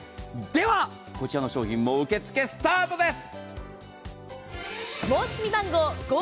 では、こちらの商品も受け付けスタートです！